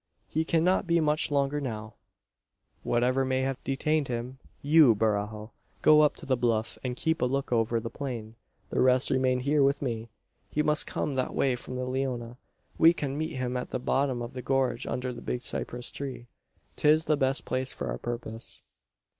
"He cannot be much longer now, whatever may have detained him. You, Barajo, go up to the bluff, and keep a look out over the plain. The rest remain here with me. He must come that way from the Leona. We can meet him at the bottom of the gorge under the big cypress tree. 'Tis the best place for our purpose."